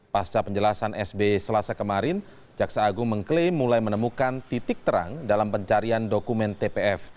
pasca penjelasan sb selasa kemarin jaksa agung mengklaim mulai menemukan titik terang dalam pencarian dokumen tpf